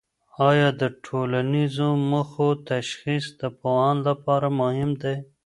آیا د ټولنیزو موخو تشخیص د پوهاند لپاره مهم دی؟